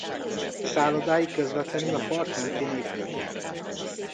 Szállodái közvetlenül a part mentén épültek.